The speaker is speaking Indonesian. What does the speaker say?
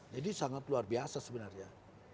jadi sangat luar biasa sebenarnya